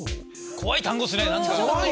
怖い単語っすね。